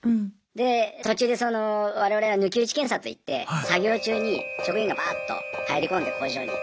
で途中で我々は抜き打ち検査といって作業中に職員がバーッと入り込んで工場に。